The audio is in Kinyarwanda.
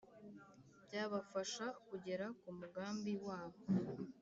byabafasha kugera ku mugambi wabo